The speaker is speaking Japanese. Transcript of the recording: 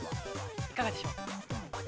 いかがでしょうか。